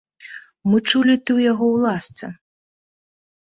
Мы чулі, ты ў яго ў ласцы.